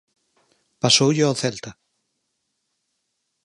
Pasoulle ao Celta.